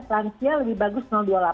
lansia lebih bagus dua puluh delapan